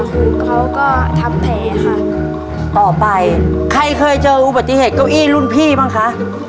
หูเขาก็ทำแผลค่ะต่อไปใครเคยเจออุบัติเหตุเก้าอี้รุ่นพี่บ้างคะ